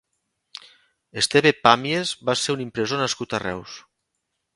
Esteve Pàmies va ser un impressor nascut a Reus.